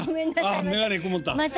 ああ眼鏡曇った。